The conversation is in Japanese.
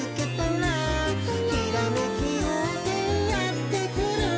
「ひらめきようせいやってくる」